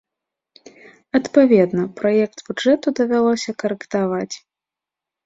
Адпаведна, праект бюджэту давялося карэктаваць.